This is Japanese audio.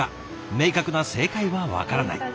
明確な正解は分からない。